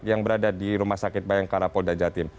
yang berada di rumah sakit bayangkarapoda jatim